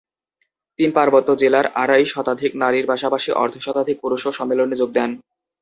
তিন পার্বত্য জেলার আড়াই শতাধিক নারীর পাশাপাশি অর্ধশতাধিক পুরুষও সম্মেলনে যোগ দেন।